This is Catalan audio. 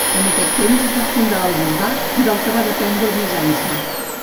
En aquest temps es va fundar el bisbat, del que va dependre Bizanci.